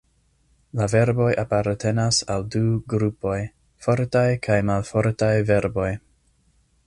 La verboj apartenas al du grupoj, fortaj kaj malfortaj verboj.